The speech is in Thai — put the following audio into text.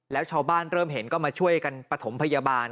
แล้วชาวบ้านเริ่มเห็นก็มาช่วยกันประถมพยาบาล